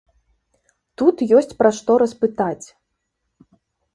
Тут ёсць пра што распытаць.